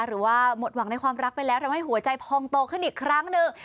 หรือว่าหมดหวังในความรักไปแล้วทำให้หัวใจพองโตขึ้นอีกครั้งหนึ่ง